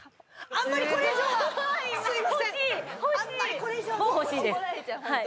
あんまりこれ以上ははいもう欲しいです